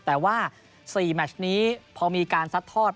แต่ว่า๔แมชนี้พอมีการซัดทอด